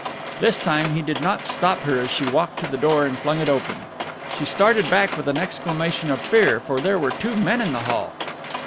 This time he did not stop her as she walked to the door and flung it open. She started back with an exclamation of fear, for there were two men in the hall.